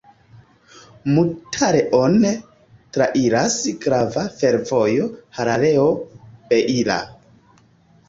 Mutare-on trairas grava fervojo Harareo-Beira.